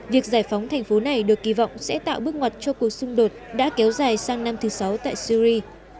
việc giải phóng thành phố này được kỳ vọng sẽ tạo bước ngoặt cho cuộc xung đột đã kéo dài sang năm thứ sáu tại syri